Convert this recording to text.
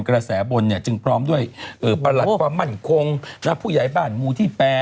กระแสบนจึงพร้อมด้วยประหลัดความมั่นคงและผู้ใหญ่บ้านหมู่ที่๘